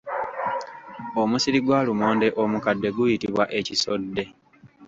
Omusiri gwa lumonde omukadde guyitibwa ekisodde.